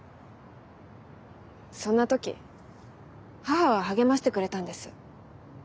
そんな時母は励ましてくれたんです。